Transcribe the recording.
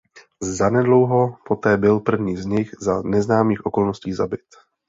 Zanedlouho poté byl první z nich za neznámých okolností zabit.